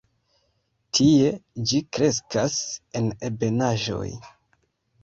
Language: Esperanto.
Tie ĝi kreskas en ebenaĵoj.